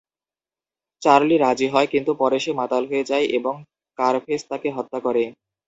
Charlie রাজি হয়, কিন্তু পরে সে মাতাল হয়ে যায় এবং কারফেস তাকে হত্যা করে।